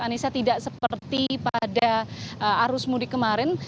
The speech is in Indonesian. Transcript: anissa tidak seperti pada arus mudik kemarin